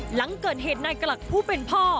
หลังเกิดเหตุนายกลักผู้เป็นพ่อ